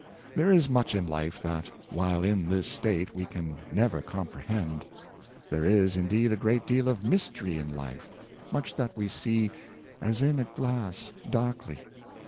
There is much in life that, while in this state, we can never comprehend. There is, indeed, a great deal of mystery in life — much that we see "as in a glass dark ly."